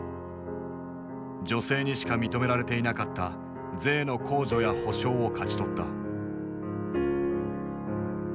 女性にしか認められていなかった税の控除や保障を勝ち取った。